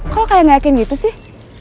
kok lo kayak gak yakin gitu sih